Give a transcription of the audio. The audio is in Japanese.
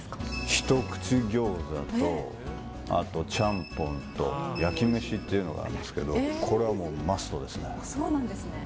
ひとくちギョーザと、あとちゃんぽんと、やきめしっていうのがあるんですけど、これはもうマそうなんですね。